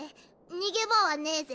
逃げ場はねぇぜ？